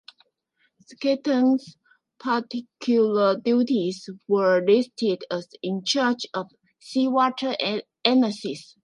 Shackleton's particular duties were listed as: In charge of seawater analysis.